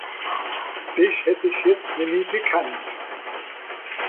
Dìch hätt ìch jetzt nemmi gekannt.